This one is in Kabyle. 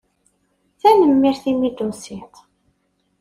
Tanemmirt imi ay d-tusiḍ!